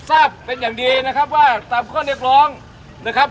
ทราบเป็นอย่างดีนะครับว่าตามข้อเรียกร้องนะครับ